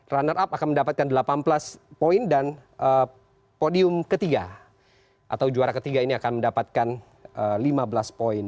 runner up akan mendapatkan delapan belas poin dan podium ketiga atau juara ketiga ini akan mendapatkan lima belas poin